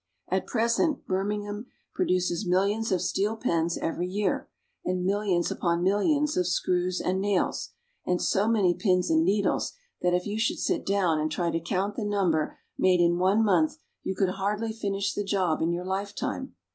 At present Birmingham produces millions of steel pens every year, and millions upon millions of screws and nails, and so many pins and needles that if you should sit down and try to count the number made in one month, you could hardly finish the job in your lifetime.